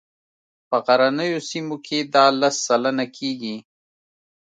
په غرنیو سیمو کې دا لس سلنه کیږي